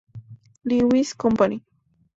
Lewis Company.